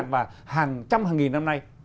và hàng trăm hàng nghìn năm nay